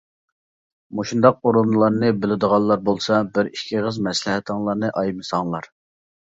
مۇشۇنداق ئورۇنلارنى بىلىدىغانلار بولسا بىر ئىككى ئېغىر مەسلىھەتىڭلارنى ئايىمىساڭلار.